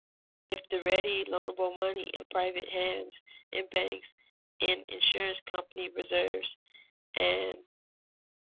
If the ready, loanable money in private hands, in banks, in insurance company reserves, &c.